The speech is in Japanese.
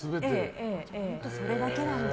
本当それだけなんだ。